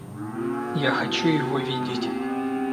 Я хочу его видеть.